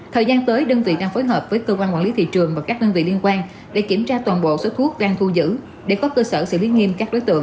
thời gian tới đơn vị đang phối hợp với cơ quan quản lý thị trường và các đơn vị liên quan để kiểm tra toàn bộ số thuốc đang thu giữ để có cơ sở xử lý nghiêm các đối tượng